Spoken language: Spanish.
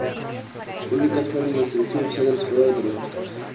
Crónicas fue la selección oficial del Ecuador ante los Oscars.